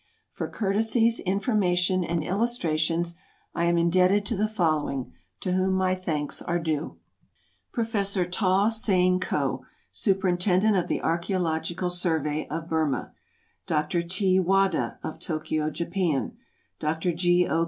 For courtesies, information and illustrations, I am indebted to the following, to whom my thanks are due: Prof. Taw Sein Ko, Superintendent of the Archæological Survey, of Burma; Dr. T. Wada, of Tokyo, Japan; Dr. G. O.